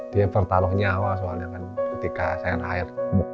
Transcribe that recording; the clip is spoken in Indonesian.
dia bertaruh nyawa soalnya kan ketika saya naik